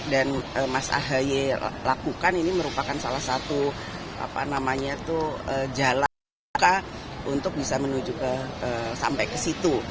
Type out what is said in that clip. dan mas ahaye lakukan ini merupakan salah satu jalan untuk bisa menuju sampai ke situ